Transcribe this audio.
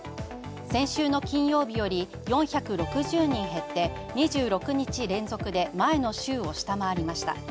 先週の金曜日より４６０人減って２６日連続で前の週を下回りました。